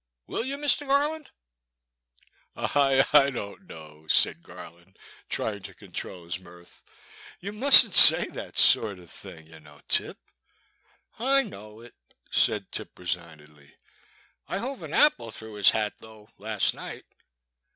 Will you, Mr. Garland ?" "I — I don't know," said Garland, trying to control his mirth, " you must n't say that sort of thing, you know, Tip." " I know it," said Tip, resignedly, " I hove 'n apple through his hat though, — last night."